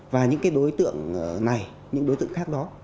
và những cái đối tượng này những đối tượng khác đó